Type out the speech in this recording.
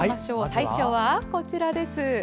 最初はこちらです。